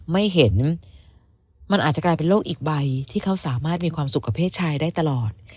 ไม่เห็นมันอาจจะกลายเป็นโรคอีกใบที่เขาสามารถมีความสุขกับเพศชายได้ตลอด